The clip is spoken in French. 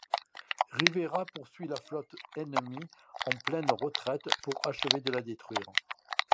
Rivera poursuit la flotte ennemie en pleine retraite pour achever de la détruire.